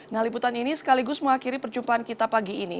nah liputan ini sekaligus mengakhiri perjumpaan kita pagi ini